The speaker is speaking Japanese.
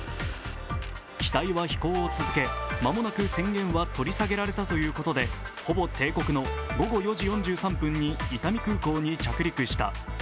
機体は飛行を続け、間もなく宣言は取り下げられたということでほぼ定刻の午後４時４３分に伊丹空港に着陸した。